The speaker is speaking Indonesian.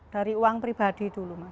dari uang pribadi dulu mas